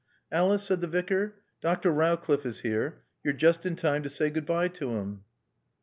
"Alice," said the Vicar, "Dr. Rowcliffe is here. You're just in time to say good bye to him."